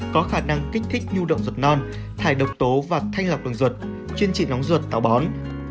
có khả năng kích thích nhu động ruột non thải độc tố và thanh lọc bằng ruột chuyên trị nóng ruột tạo bón